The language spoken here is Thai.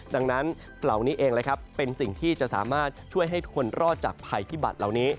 ดังนั้นเหล่านี้เองนะครับเป็นสิ่งที่จะสามารถช่วยให้คนรอดจากภัยพิบัตรเหล่านี้